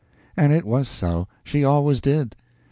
And it was so: she always did.